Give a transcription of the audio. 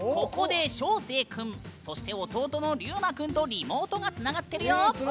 ここで翔星君そして弟の龍馬君とリモートがつながってるよ。